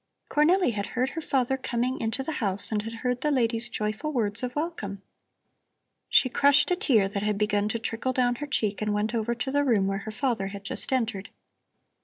Cornelli had heard her father coming into the house and had heard the ladies' joyful words of welcome. She crushed a tear that had begun to trickle down her cheek and went over to the room where her father had just entered.